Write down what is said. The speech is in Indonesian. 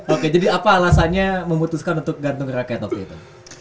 oke jadi apa alasannya memutuskan untuk gantung rakyat waktu itu